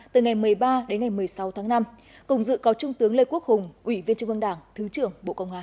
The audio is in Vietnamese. từ ngày một mươi ba đến ngày một mươi sáu tháng năm cùng dự có trung tướng lê quốc hùng ủy viên trung ương đảng thứ trưởng bộ công an